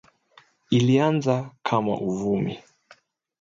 Ilianza kama uvumi